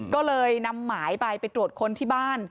ก็เลยนำหมายไปไปตรวจค้นที่บ้าน